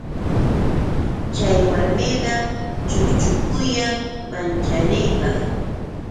Chay warmiqa chukchukuyan manchariypaq.